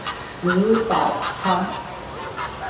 子宝昌。